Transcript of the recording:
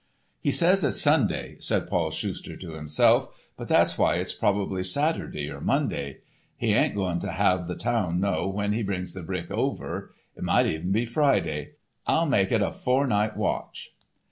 "He says it's Sunday," said Paul Schuster to himself; "but that's why it's probably Saturday or Monday. He ain't going to have the town know when he brings the brick over. It might even be Friday. I'll make it a four night watch."